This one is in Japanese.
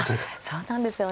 そうなんですよね。